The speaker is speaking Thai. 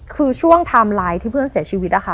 คือช่วงติดต้นที่เพื่อนเสียชีวิตอะค่ะ